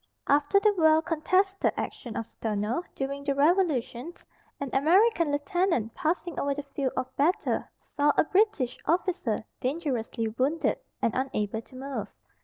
After the well contested action of Stono, during the revolution, an American lieutenant, passing over the field of battle, saw a British officer dangerously wounded, and unable to move.